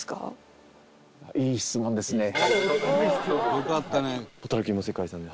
「おお」「よかったね」